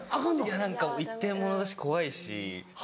いや何か一点ものだし怖いし。